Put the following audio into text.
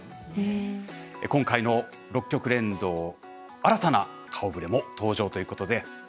今回の６局連動新たな顔ぶれも登場ということで。